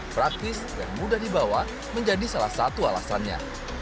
praktis dan mudah dibawa menjadi salah satu alasannya